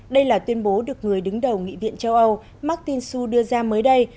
đây là tuyên bố được người đứng đầu nghị viện châu âu martin su đưa ra mới đây